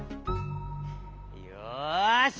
よし！